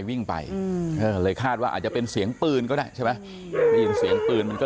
วิ่งไปเลยคาดว่าอาจจะเป็นเสียงปืนก็ได้ใช่ไหมได้ยินเสียงปืนมันก็